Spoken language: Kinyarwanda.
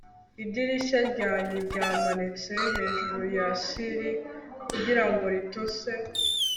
Idirishya ryanjye ryamanitse hejuru ya sili kugirango ritose